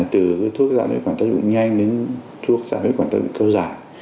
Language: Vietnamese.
từ thuốc giảm viết quả tác dụng nhanh đến thuốc giảm viết quả tác dụng cơ giải